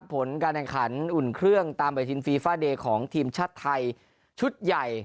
ผลการแข่งขันอุ่นเครื่องตามปฏิทินฟีฟาเดย์ของทีมชาติไทยชุดใหญ่